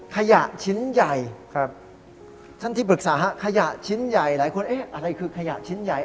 ขยะชิ้นใหญ่ครับท่านที่ปรึกษาฮะขยะชิ้นใหญ่หลายคนเอ๊ะอะไรคือขยะชิ้นใหญ่